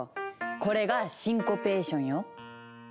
これが「シンコペーション」よ。